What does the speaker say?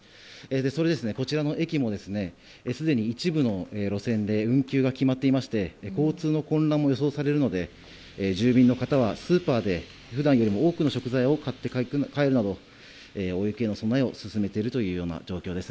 それで、こちらの駅もすでに一部の路線で運休が決まっていまして交通の混乱も予想されるので住民の方はスーパーで普段よりも多くの食材を買って帰るなど、大雪への備えを進めている状況です。